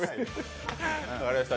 分かりました。